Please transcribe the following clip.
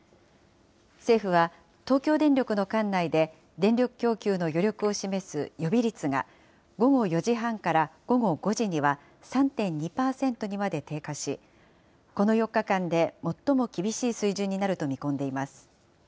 政府は東京電力の管内で、電力供給の余力を示す予備率が、午後４時半から午後５時には、３．２％にまで低下し、この４日間で最も厳しい水準になると見込んでいます。